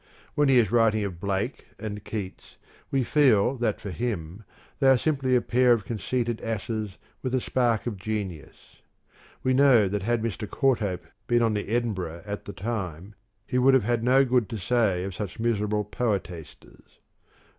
When he is writing of Blake and Keats we feel that for him they are simply a pair of conceited asses with a spark of genius ; we know that had Mr. Courthope been on the " Edinburgh " at the time he would have had no good to say of such miserable poetasters.